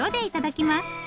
いただきます。